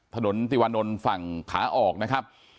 ถนนติวานนท์ฝั่งขาออกนะครับ